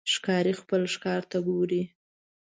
ښکاري خپل ښکار ته ګوري.